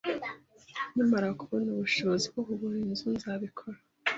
Nkimara kubona ubushobozi bwo kugura inzu, nzabikora